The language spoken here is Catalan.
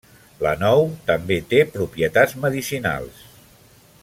La nou també té propietats medicinals.